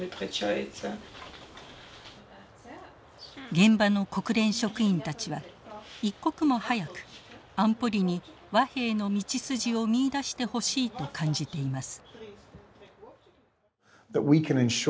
現場の国連職員たちは一刻も早く安保理に和平の道筋を見いだしてほしいと感じています。